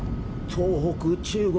東北中国